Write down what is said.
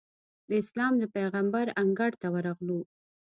د اسلام د پېغمبر انګړ ته ورغلو.